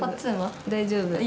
大丈夫。